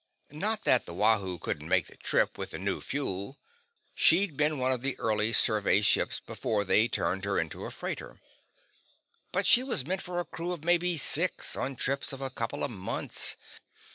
Not that the Wahoo couldn't make the trip with the new fuel; she'd been one of the early survey ships before they turned her into a freighter. But she was meant for a crew of maybe six, on trips of a couple of months.